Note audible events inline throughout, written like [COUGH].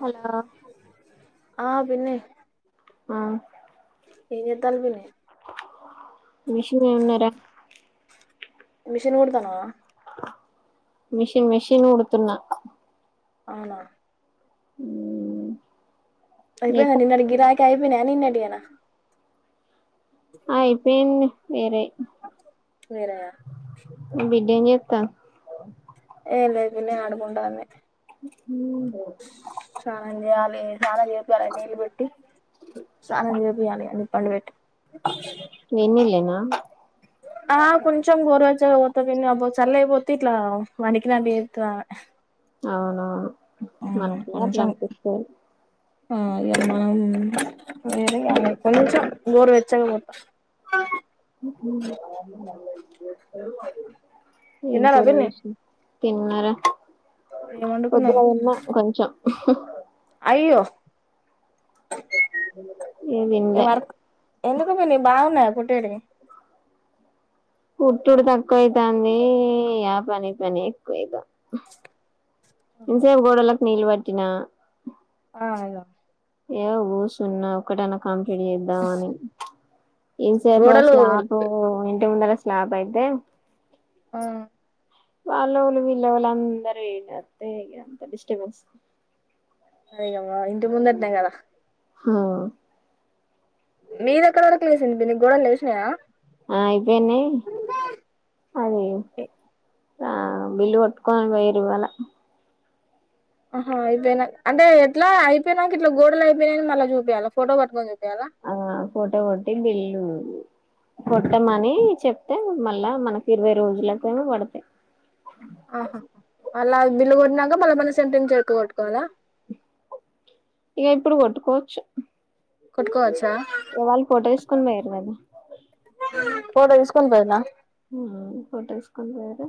Hello ఆ పిన్ని ఆ ఎంచెత్తాళ్లు పిన్ని మిషన్ మీద ఉన్నారా మిషన్ కూడతన్నావా మిషన్ మిషన్ కుడుతున్న అవునా ఉ అయిపోయినా నిన్నటి గిరాక్ అయిపోయినాయా నిన్నటి వేనా అయిపేంది వేరే వేరేయా [INAUDIBLE] ఏం చేత్త నేను లేకనే ఆడుకుంటాంది. స్నానం చెయ్యాలి. స్నానం చేస్తారా నీళ్లు పెట్టీ స్నానం చే చేయాలిగా పండబెట్టి వే న్నీళ్ళేనా ఆ కొంచెం గోరవెచ్చగా పోత్తా పిన్ని అబ్బో చల్లై పోత్తే ఇట్లా వనికినట్టు చేత్త అవునవును మనకు అట్లా అనిపిస్తాది. హ్మ్ ఇయాలా మనం వేరే గల ఆ కొంచెం గోరువెచ్చగా పోత్తా [UNINTELLIGIBLE] ఏం తిన్నారా కూర పిన్ని చేసినవ్ తిన్నారా ఏం పొద్దున వండుకున్నారు తిన్న కొంచం హు హు అయ్యో ఇగ ఏ తినలే వర్క్ ఎందుకు పిన్ని బావున్నాయి కుట్టేటివి కుట్టుడు తక్కువ అయితాందీ ఆ పని ఈ పని ఎక్కువ అయితాంది. ఇసక [UNINTELLIGIBLE] గోడలకు నీళ్ళు పట్టిన ఆ అదా ఏమో కూ సున్నా ఒకటన్నకాం పెళ్లి చేద్దామని ఇంతసేపు ఆ గోడలు స్లాపూ ఇంటి ముందర స్లాప్ అయితే ఆ వాల్లోళ్ళు వీల్లోళ్ళు అందరూ ఈన్నే అంతే ఇగ డిస్టబెన్స్ అరే అవ్వ ఇంటి ముందట్నే కదా హ మీదెక్కడి వరకు లేసింది పిన్ని గోడలు లేసినయా ఆ ఇ వీన్నీ అది ఆ బిల్లు కొట్టుకొని పోయిన్రు ఇవ్వాళ్ళ అహా అయిపోయిన అంటే ఎట్లా అయిపోయినంక ఇట్లా గోడలు అయిపోయినయని మళ్ళ చూపియాల ఫోటో పట్టుకొని చూపి ఆ ఫోటో కొట్టి బిల్లు కొట్టమని చెప్తే మళ్ళా మనకి ఇరవై రోజులకైనా పడ్తయ్ ఆహా.. అల్లా బిల్లు కొట్టినాక మళ్ళా మన సెంటెన్స్ ఎక్కువ్ కొట్టుకోవాలా ఎగిప్పుడు కొట్టుకోవచ్చు హ్ మ్ కొట్కోవచ్చా వాళ్ళు ఫోటో తీస్కొనిపోయిన్ర్ మరి ఫోటో తీస్కొనిపోయిన ఉమ్ ఫోటో తీస్కొనిపోయిన్రు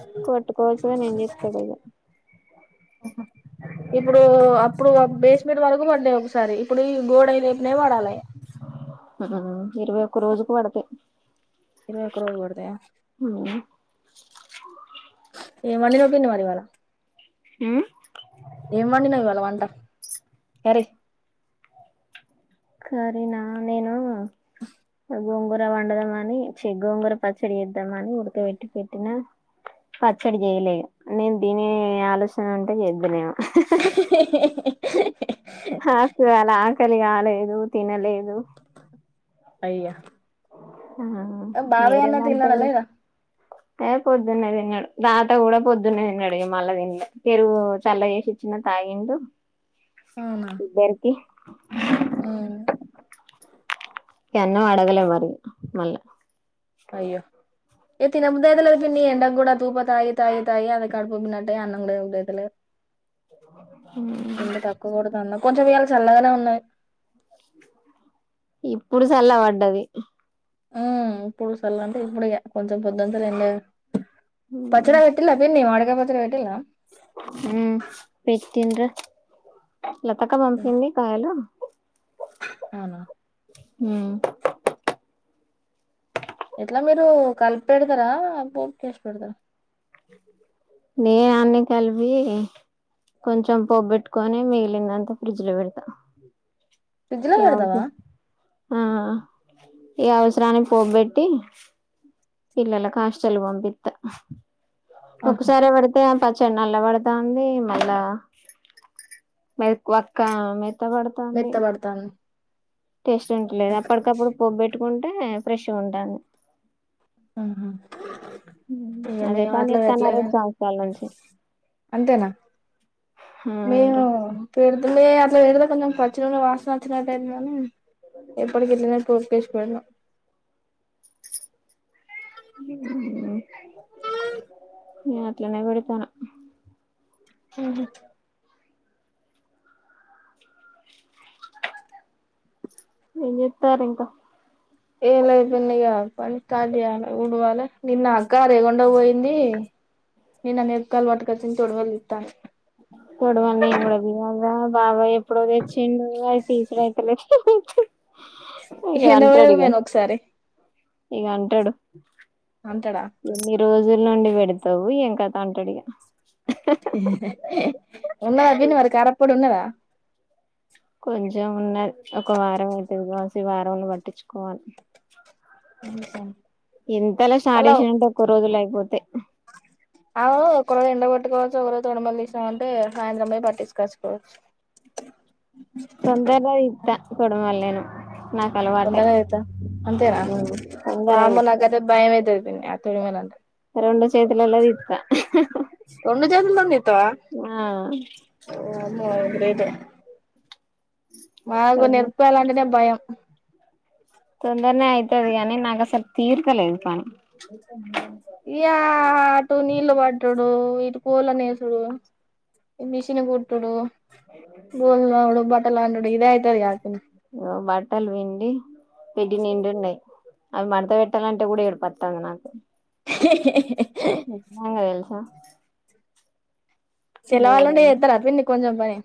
అహ్ చెప్తడో ఇగ ఇప్పుడు అప్పుడు బేస్మేట్ వరకు కు పడ్డయ్ ఒకసారి ఇప్పుడు ఈ గోడై లేపినయ్ పడాలే ఉమ్ ఇరవై ఒక్క రోజుకు పడ్తాయ్ ఇరవైఒక్క రోజు కు పడ్తాయా ఎవర్ని దొబ్బిండో మరి ఇవాళ ఉమ్ ఏమ్ వండినావ్ ఇవాళ వంట అరే కారినా నేను గోంగూర వండదామని చి గోంగూర పచ్చడి చేద్దామని ఉడకవేట్టి పెట్టినా పచ్చడి చేయలే నేన్ తినే ఆలోచన ఉంటే చేద్దునేమో ఇహ్ ఇహ్ ఇహ్ ఇహ్ హ్ హ... ఇవాళ ఆకలిగాలే దు తినలేను అయ్యా... బావే అన్న మీరేమంటే తిన్నాడా లేదా ఏ పొద్దున్నే తిన్నాడు తాత కూడా పొద్దున్నే తిన్నడిగా మళ్ళ తిన్లే పెరుగు చల్ల చేసి ఇచ్చిన తాగిండు అవునా ఇద్దరికి ఉమ్మ్ అన్న అడగల మరి మళ అయ్యో ఏ తినబద్దతులేదు పిన్ని ఎండక కూడాడా తూప తాయి తాయి తాయి అద కా అడ పోన్నట్టే అన్నం కూడా ఉయతులేదు. ఇన్న తక్కువ కూడా తాన్ను కొంచెం ఇయ్యల చల్లగానే ఉన్నది ఇప్పుడు చల్ల పడ్డది ఉమ్ పడుసల్లంత ఇప్పుడగా కొంచెం పోద్ంతరం పచ్చడా కట్టిలా పిన్ని వడ వంకాయ పచ్చడి పెట్టిల్లా ఉమ్ పెట్టిండ్రు లత అక్క పంపింది కాయలు అవునా ఉమ్ ఎట్లా మీరు కలిప పెడతారా పోప్కేసి పెడతారా నే అన్ని కలిపి కొంచెం పొబ్బెట్టుకొని మిగిలిందంతా ఫ్రిడ్జ్ లో పెడతా ఫ్రిడ్జ్ లో ఎవదు పెడతావా ఆ ఈ అవసరానికి పోబెట్టి పిల్లుల హస్టల పోంపిత్త ఒకసారే పెడితే చెనెల్ల పడుతాంది మళ్ళా మెక్ ఒక్క ఇష్ట పడతాంది మెత్తబడతాంది టేస్ట్ ఉంటలేదు అప్పటికప్పుడు పొబెట్టు కుంటే ఫ్రెష్గ ఉంటాను హమ్మ్ ఇంకా అదే మేము పని అట్ల ఎట్ల చేత్తన్న రెండు సంవత్సరాల నుంచి అంతేనా ఉమ్ మేము రా మేం లేదులే కొంచం పచ్చి నూనె వాసన వచ్చినట్టు ఐంది కాని ఎప్పుడుకి ఇట్లనే కాస్పెట్ [INAUDIBLE] న అట్లనే పెడితనా హమ్మ్ ఎం జెత్తర్రు ఇంక ఏలాయిపోనిగ పని తళయాల ఉడవాల ని నా అక్క రేకుండా పోయింది నేను అన్న ఎక్కలు పటుకొచ్చిన తొడిమలు దితంది బాబా ఎప్పుడో చిండు అది తీసుడు అవుతలేదు హంద [INAUDIBLE] ఒకసారి ఇగ అంటడు అంటడా ఎన్ని రోజు ఏళ్ళ నుండి పెడతావు ఏం కథ అంటడిగా ఉన్నదా ఏదైనా కారప్పడు ఉన్నదా అ కొంచెం ఉన్నది ఒక వారం అయితే కావాసి వారంనలో పట్టించుకోవాలి [INAUDIBLE] ఎంతలా మళ్ళ సాడేసేనంటే ఒక్క రోజుల అయిపోతాయి అవు ఒకరోజు ఎండగట్టుకోవచ్చు ఒకరోజు తొడమలు తీసామంటే సాయంత్రంపోయి పట్టించుకోవచ్చు తొందరనే తిత్త తోడిమలె నేను నాకు అలవాటే వందనే అయితా అంతేనా తొందరగా వామ్మో తీత్తా నాకైతే భయం ఈతది [INAUDIBLE] రెండు చేతులలో తీత రెండు చేతులతోని తీత్తవా ఆ గ్రేట్ఏ మాకు తొడవల్ నేరపకాయలు అంటేనే భయం తొందరనే అయితుది గానీ నాకు అసలు తీర్కలేదు పని [UNINTELLIGIBLE] ఇయ ఆటుూ నీళ్లు బటు డు ఇటు పూలనే డు మిషన్ కుట్టుడు బోల్ తోముడు బట్టలు పిండుడు ఇదే అయితది గా పిన్ని ఓ బట్టలు పిండి పెడి నిండున్నాయి అవి మడత పెట్టాలంటే కూడా ఏడుపొస్తుంది నాకు. [UNINTELLIGIBLE] ఎన్నా తెలుసా చెల్లె వాళ్ళనే ఘోరం చేస్తారా పిన్ని కొంచెం పని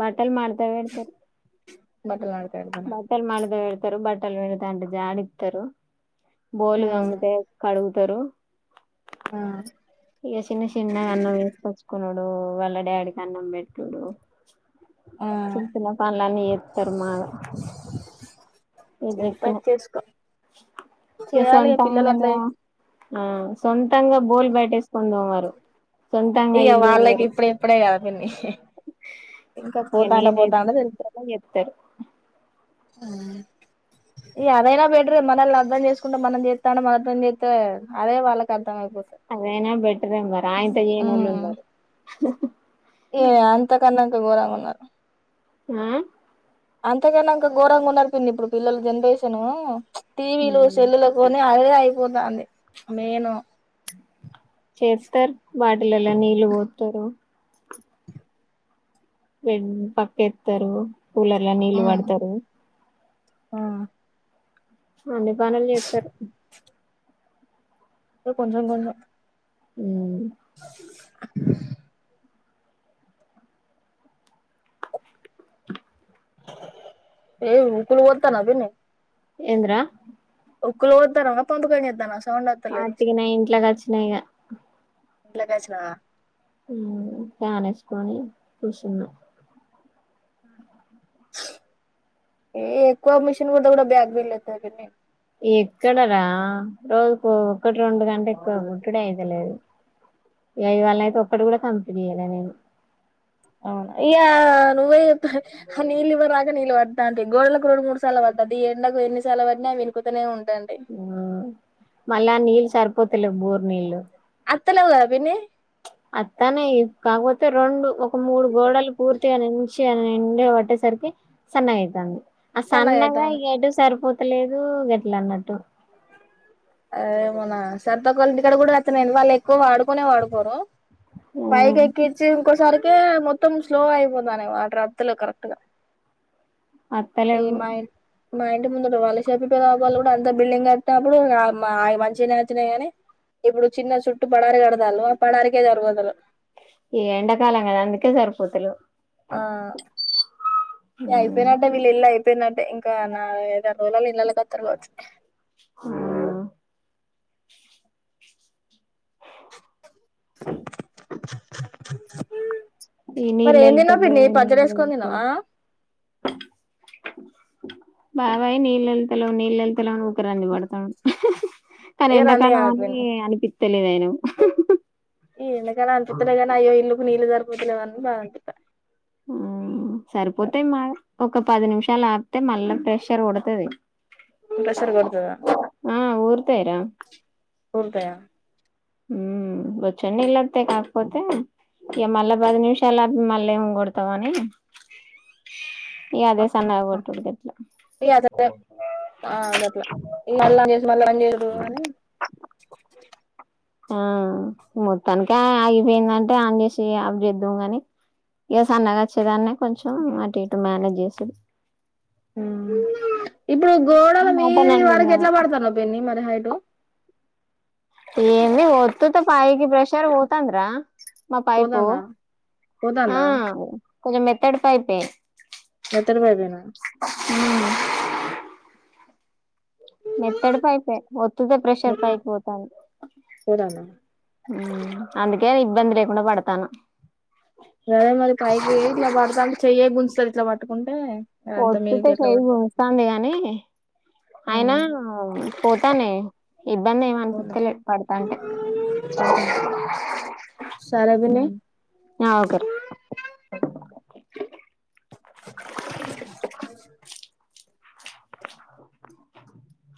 బట్టలు మడత పెడతారు. బట్లాడు బట్టలు మడత పెడతా రు బట్టలు పిండుతా అంటే జాడిస్తారు. బోలు దోమతె కడుగు తరు ఆ ఇ చిన్న చిన్నగా అన్నం వేసుకొచ్చుకున్నాడు. డు వాళ్ల డాడకి అన్నం పెట్టుడు ఆ చిన్న చిన్న పనులన్నీ చేస్తారు మాగ చె చేసుకో, ఇగ చేయాలి పిల్లలు అట్లా సొంతంగా ఆ సొంతంగా బోల్ బయటే కొంతం వారు సొంతంగా ఇల్డువారు అ [UNINTELLIGIBLE] ఇంకా పోతాంట నేనైతే పోతాంట తెలు చెప్తారు ఈ అదైనా బటర్ మనల్ని అర్థం చేసుకుంటే మనం చేస్తానే మనతోనే చేస్తే అదే వాళ్ళకి అర్ం అదేనా బట్ ఉన్నారు ఆయనంత ఏనోళ్ళు ఉమ్ ఉన్నారు. హ హ క గోరంగన్నారు ఆ అంతకనా అక్క ఇంక ఘోరంగా ఉన్నారు పిన్ని ఇప్పుడు పిల్లలు జనరేషను టీవీలు సెల్లలతోనే అగ అయిపోదా అంది మేను చేతారు బాటిలలో నీళ్ళు పోతారు. వె పక్క ఎస్తారు. కూలర్ లా నీళ్లు వాడతారు ఆ అన్ని పనులు చెస్తారు ఉ కొంచెం కొంచం ఉమ్ ఏ ఇప్పులు కొడుతునవ్ పిన్నీ ఏంద్రా ఒక కొడుతునవ పనులు పై చేస్తానవ అటికి న ఇంట్లోకి వచ్చినాయిక ఇంట్లో కొచ్చినవా ఉమ్మ్ ఫ్యాన్ వేసుకొని కూర్చున్నా ఏ ఎక్కువ మిషన్ కుట్టిన కూడా బ్యాక్ పెయిన్ అయితే పిన్ని ఎక్కడరా రోజుకో ఒకటి రెండు గంట ఎక్కువ గుట్టుడు అయితలేదు ఆ ఇవాళ అయితే ఒక్కడు కూడా కమ్ అవును ఇయా నువ్వే చెప్ా ఆీళ్ళ ఇవ్వ రాగా నీళ్ు పడా అ గోడలకు రెండు మూడు సార్లు పడుద్ది ఈ ఎండకు ఎన్ని సార్లు పడినా అవి వినుకకుతనే ఉంటాంది ఆ మళ్ళా నీల్ సర్పు పోతలేవ్ బోర్ నీలు వతలేవ్ కదా పిన్ని అత్తనే ఇకాగపోతే రెండు ఒక మూడు గోడలు పూర్తిగా నుంచుకొని ష నిండి కొట్టేసరికి సన్నగ్ అయితనయి ఆ సన్నగా సన్నగయితాంది ఎడ్ సరిపోతు ఎట్టలేదు గట్లా అన్నట్టు అ మొన్న సరతక్క వాళ్ళ ఇంటికాడ కూడా వస్తలే వాళ్ళ ఎక్కువ వాడుకునే వాడుకోరు ఉమ్ పైకి ఎక్కించిి ఇంకోసారి కే మొత్తం స్లో అయిపోతున్నాయి వాటర్ వస్తలేవు కరెక్టుగా అత్తలేవ్ మా ఇంటి ముందు ఉ వాళ్ళసేప రాలి కూడా అంత బిల్డింగ్ కట్టినప్పుడు ఆ మంచిగా నచ్చినాయి గాని ఇప్పుడు చిన్న చుట్టూ పడారి కడతాలు ఆ పడారికే జరుగు ఈ ఎంండకాలంగాదా అందుకే సరిపోతులు ఆ ఇంకా ఉమ్ అయిపోయినట్టే వీల్ వెళ్లి లపోయినట్లు టే ఇంకా నాలుగు ఐదు ఆరు రోజుల్లో ఇంట్లో కత్తర్ కావచ్చు ఆ ఈ మరి ఏం తిన్నావు నీళ్ళెల్తలేవ్ పిన్ని పచ్చడి ఏసుకొని తిన్నావా నీళ్ళెల్తలేవ్ బాబాయ్ నీళ్ళెల్తలేవ్ నీళ్ళెల్తలేవ్ అని ఊకె రండి పడతాండు కానీ ఏ రంది ఎండాకాలం కాదు అని పిన్ని అనిపి తెలిదైను ఈ ఏండాకాలం అనిపిత్తలే గాని అయ్యో ఇల్లుకు నీళ్ళు సరిపో [UNINTELLIGIBLE] ఉమ్ సరిపోతయ్ మావ్ ఒక పది నిమిషాలు ఆపితే మళ్ళా ప్రెషర్ కొడతది ప్రెషర్ కొడతాదా ఆ ఊరుతాయిరా కొడ్తాయా ఉమ్ వచ్చొయ్ నీళ్లొత్తయ్ కాకపోతే ఇక మళ్ళా పది నిమిషాలు అపి మళ్ళేం కొడతావని ఇగ అదే సన్నగ గొట్డుడుదట్లా ఇగ అద ఆ గట్లా మళ్ళ చేసి మళ్ళ బంద్ చేసుడు అని ఆ మొత్తానికే ఆగిపోయిందంటే ఆన్ చేసి ఆప్ చేద్దాం కాని ఇగ సన్నగా వచ్చేదాన్ని కొంచెం అటు ఇటు మేనేజ్ చేసుడు [UNINTELLIGIBLE] ఇప్పుడు గోడల మటన్ మీది అండి వరకి మా ఎట్లా పడుతాన్న పిన్ని మరి [UNINTELLIGIBLE] ఏమి ఓత్తుత పయికి ప్రెషర్ పోతాంద్రా మా పైపు పోతాందా ఆ పోతాందా కొంచెం మెత్తటి పైపే మెత్తటి పైపేనా మ్ మెత్తడి పైపే ఒత్తుతే ప్రెషర్ పైకి పోతాంది పోతాందా మ్ అందుకే అది ఇబ్బంది లేకుండా పడతాన్నా గదే మరి పైకి ఇట్లా పడుతాఉంటే చెయ్యే గుంజుతాది ట్ల పట్టుకున్ ఒత్తితే చెయ్యి గుంజుతాంది గాని అయినా అవునా పోతాన్నాయ్ ఇబ్బంది పోతా ఏమనిపిత్తలే పడతాంటే సరే పిన్ని ఆ ఓకేరా